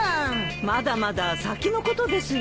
まだまだ先のことですよ。